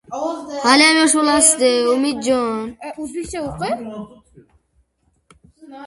I can go all round here and see everything.